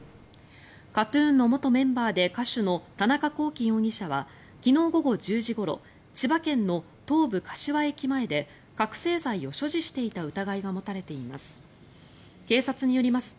ＫＡＴ−ＴＵＮの元メンバーで歌手の田中聖容疑者は昨日午後１０時ごろ千葉県の東武柏駅前で覚醒剤を所持していた疑いが持たれています。